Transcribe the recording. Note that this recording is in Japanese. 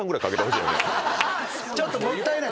ちょっともったいない。